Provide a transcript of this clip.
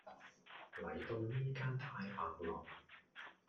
嚟到呢間太白樓